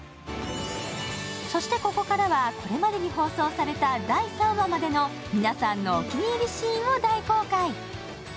そしてここからは、これまでに放送された第３話までの皆さんのお気に入りシーンを大公開。